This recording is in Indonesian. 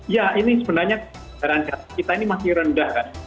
ya ini sebenarnya kendaraan kita ini masih rendah kan